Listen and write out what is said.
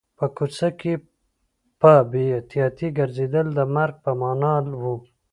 په کوڅه کې په بې احتیاطۍ ګرځېدل د مرګ په معنا و